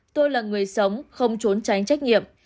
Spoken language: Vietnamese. tôi là người sống không trốn tránh trách nhiệm